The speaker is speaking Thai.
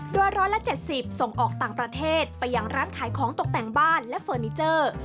โดย๑๗๐ส่งออกต่างประเทศไปยังร้านขายของตกแต่งบ้านและเฟอร์นิเจอร์